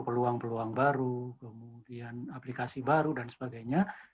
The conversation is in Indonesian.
peluang peluang baru kemudian aplikasi baru dan sebagainya